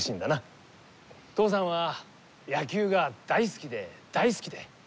父さんは野球が大好きで大好きで。